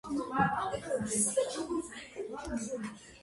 მოქმედება ვითარდება მეორე მსოფლიო ომის დროს იაპონიის მიერ ოკუპირებულ შანხაიში.